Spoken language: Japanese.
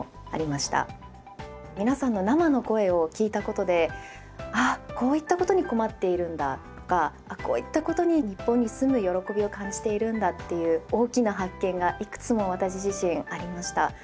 皆さんの生の声を聴いたことでああこういったことに困っているんだとかあこういったことに日本に住む喜びを感じているんだっていう大きな発見がいくつも私自身ありました。